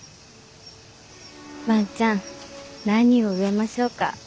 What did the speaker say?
万ちゃん何を植えましょうか？